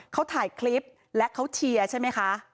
เขาถ่ายคลิปและเขาเชียร์ใช่ไหมคะ